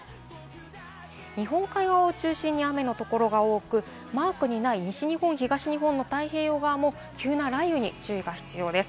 日本海側を中心に雨のところが多く、マークにない西日本・東日本の太平洋側も急な雷雨に注意が必要です。